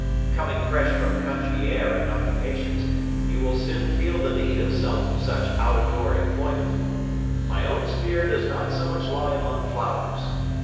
Coming fresh from country air and occupations, you will soon feel the need of some such out of door employment. My own sphere does not so much lie among flowers.